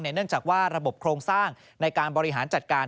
เนื่องจากว่าระบบโครงสร้างในการบริหารจัดการ